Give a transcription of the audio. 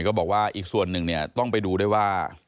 ก็บอกว่าอีกส่วนหนึ่งเนี่ยต้องไปดูด้วยว่า